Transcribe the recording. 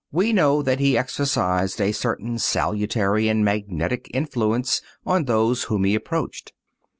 We know that He exercised a certain salutary and magnetic influence on those whom He approached.